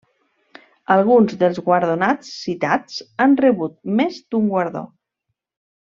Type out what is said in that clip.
Alguns dels guardonats citats han rebut més d'un guardó.